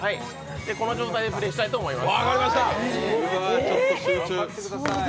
この状態でプレーしたいと思います。